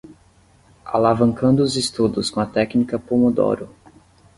Alavancando os estudos com a técnica pomodoro